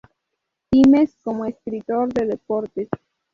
Times" como escritor de deportes.